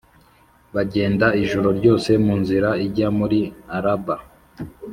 bagenda ijoro ryose mu nzira ijya muri Araba.